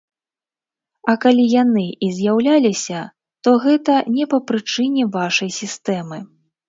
А калі яны і з'яўляліся, то гэта не па прычыне вашай сістэмы.